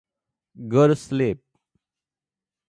Go to sleep.